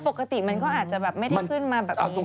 ปกติมันก็อาจจะแบบไม่ได้ขึ้นมาแบบนี้